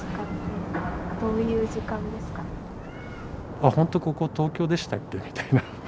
ああほんとここ東京でしたっけ？みたいな。